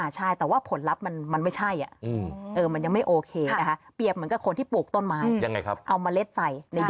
ซากลูกอย่างเรียกว่าบาสรางในมนุษย์